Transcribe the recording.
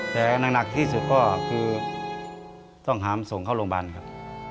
แต่หนักที่สุดก็คือต้องหามส่งเข้าโรงพยาบาลครับ